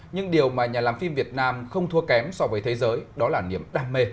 nhưng điều mà nhà làm phim việt nam không thua kém so với thế giới đó là niềm đam mê